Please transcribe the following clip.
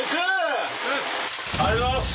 ありがとうございます。